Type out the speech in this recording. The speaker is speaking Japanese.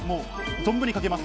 存分にかけます。